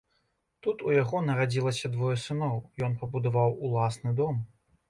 Тут у яго нарадзілася двое сыноў, ён пабудаваў уласны дом.